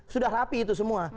sudah rapi itu semua